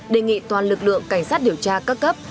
đề nghị toàn lực lượng cảnh sát điều tra các cấp